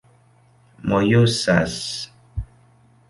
mojosas